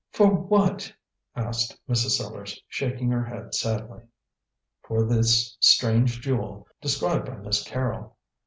"For what?" asked Mrs. Sellars, shaking her head sadly. "For this strange jewel, described by Miss Carrol."